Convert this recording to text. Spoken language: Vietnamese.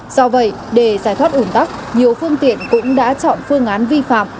do vậy để giải thoát ủn tắc nhiều phương tiện cũng đã chọn phương án vi phạm